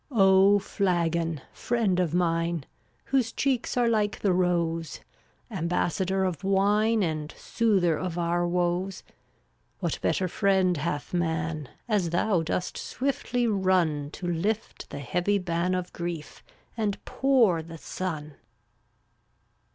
340 Oh, Flagon, friend of mine, Whose cheeks are like the rose, Ambassador of Wine And soother of our woes, What better friend hath man, As thou dost swiftly run To lift the heavy ban Of grief, and pour the sun!